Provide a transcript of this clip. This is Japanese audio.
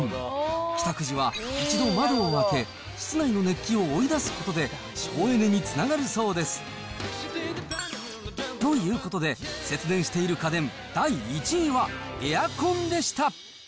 帰宅時は一度窓を開け、室内の熱気を追い出すことで省エネにつながるそうです。ということで、節電している家電第１位はエアコンでした。